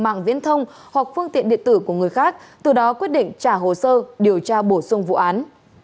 mạng viễn thông hoặc phương tiện điện tử của người khác từ đó quyết định trả hồ sơ điều tra bổ sung vụ án